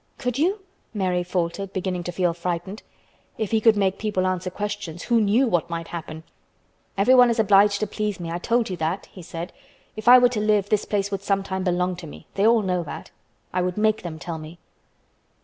"Could you?" Mary faltered, beginning to feel frightened. If he could make people answer questions, who knew what might happen! "Everyone is obliged to please me. I told you that," he said. "If I were to live, this place would sometime belong to me. They all know that. I would make them tell me."